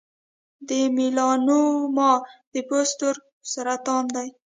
د میلانوما د پوست تور سرطان دی.